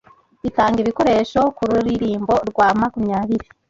Itanga ibikoresho kururirimbo rwa makumyabiri